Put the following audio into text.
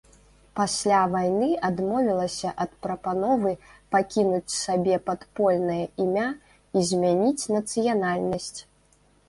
Пасля вайны адмовілася ад прапановы пакінуць сабе падпольнае імя і змяніць нацыянальнасць.